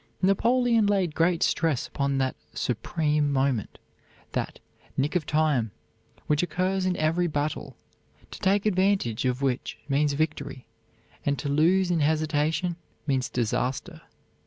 Napoleon laid great stress upon that "supreme moment," that "nick of time" which occurs in every battle, to take advantage of which means victory, and to lose in hesitation means disaster.